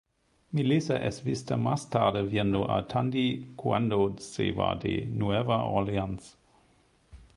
Melissa es vista más tarde viendo a Tandy cuando se va de Nueva Orleans.